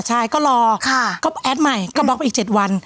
ใช่ก็รอก็แอดใหม่ก็บล็อกไปอีก๗วัน